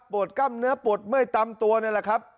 กล้ามเนื้อปวดเมื่อยตามตัวนั่นแหละครับ